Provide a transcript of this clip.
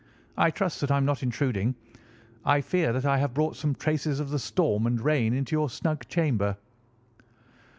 "I trust that I am not intruding. I fear that I have brought some traces of the storm and rain into your snug chamber."